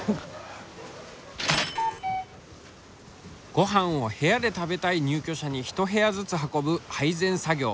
ごはんを部屋で食べたい入居者に一部屋ずつ運ぶ配膳作業。